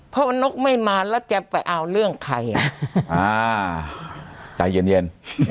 เพราะนกไม่มาแล้วจะไปเอาเรื่องใครใจเย็นเย็น